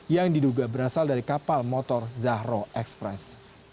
yang diduga berasal dari kapal motor zahro express